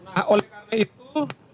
nah oleh karena itu